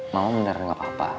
mama beneran gak apa apa